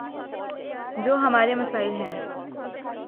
جو ہمارے مسائل ہیں۔